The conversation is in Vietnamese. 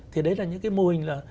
thì đấy là những cái mô hình là